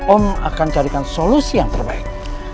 om akan carikan solusi yang terbaik